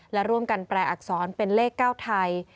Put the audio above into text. และร่วมกันแปลอักษรเป็นเลข๙ไทย